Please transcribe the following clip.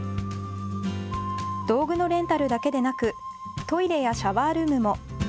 道具のレンタルだけでなくトイレやシャワールームも。